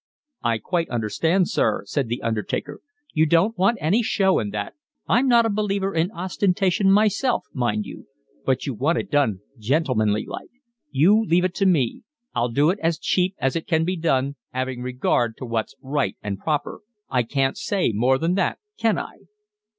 "I quite understand, sir," said the undertaker, "you don't want any show and that—I'm not a believer in ostentation myself, mind you—but you want it done gentlemanly like. You leave it to me, I'll do it as cheap as it can be done, 'aving regard to what's right and proper. I can't say more than that, can I?"